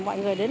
mọi người đến